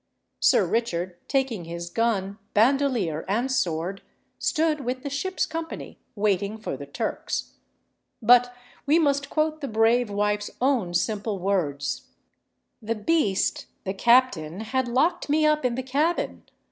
Sir Richard, taking his gun, bandolier, and sword, stood with the ship's company waiting for the Turks. But we must quote the brave wife's own simple words: "The beast the captain had locked me up in the cabin.